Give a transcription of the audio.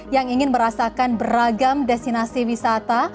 yang ingin merasakan beragam destinasi wisata